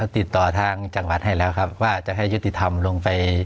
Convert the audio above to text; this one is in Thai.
ติดต่อทางจังหวัดให้แล้วครับว่าจะให้ยุติธรรมลงไป